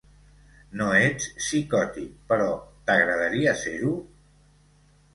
No ets psicòtic, però t'agradaria ser-ho?